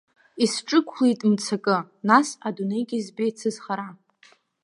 Исҿықәлеит мцакы, нас адунеигьы збеит сызхара.